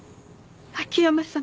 秋山さま